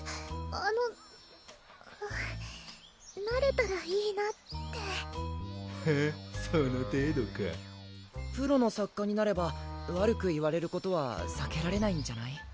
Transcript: あのなれたらいいなってプロの作家になれば悪く言われることはさけられないんじゃない？